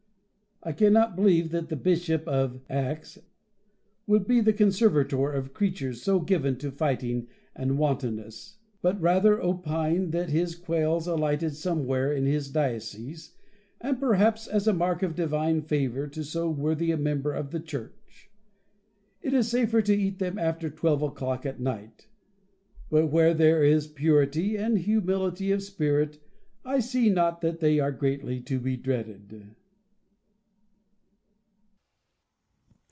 I cannot believe that the Bishop of Aix would be the conservator of creatures so given to fighting and wantonness ; but rather opine that his quails alighted somewhere in his diocese, and perhaps as a mark of divine favour to so worthy a member of the Church. It is safer to eat them after twelve o'clock at night ; but, where there is purity and humility of spirit, I see not that they are greatly to be dreaded.